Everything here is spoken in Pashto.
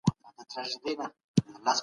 د ورورولۍ فضا جوړه کړو.